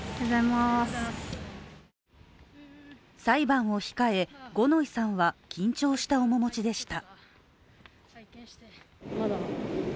裁判を控え、五ノ井さんは緊張した面持ちでした。